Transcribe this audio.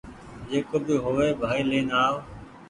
جڪو بي هووي ڀآئي لين آو